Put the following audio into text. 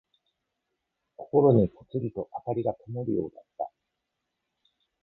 心にぽつりと灯がともるようだった。